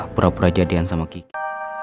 beropera jadian sama kiki